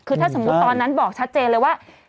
คือถ้าสมมุติตอนนั้นบอกชัดเจนเลยว่า